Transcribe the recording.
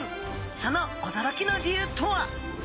そのおどろきの理由とは？